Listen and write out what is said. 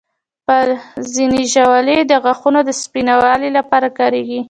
ځینې ژاولې د غاښونو د سپینوالي لپاره کارېږي.